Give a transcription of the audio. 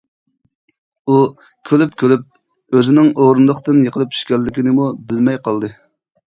ئۇ كۈلۈپ، كۈلۈپ ئۆزىنىڭ ئورۇندۇقتىن يىقىلىپ چۈشكەنلىكىنىمۇ بىلمەي قالدى.